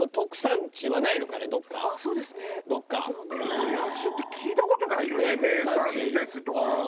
もやしって聞いた事ないよね名産ですとか。